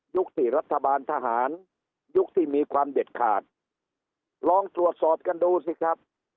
ที่รัฐบาลทหารยุคที่มีความเด็ดขาดลองตรวจสอบกันดูสิครับ